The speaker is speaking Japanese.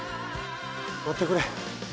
待ってくれ。